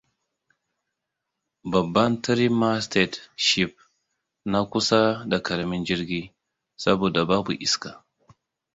Babban three-masted ship na kusa da ƙaramin jirgi, saboda babu iska.